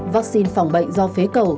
vaccine phòng bệnh do phế cầu